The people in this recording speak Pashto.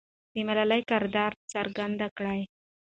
د ملالۍ کردار څرګند کړه.